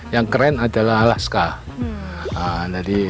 yang keren adalah alaska